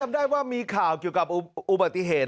ได้ว่ามีข่าวเกี่ยวกับอุบัติเหตุ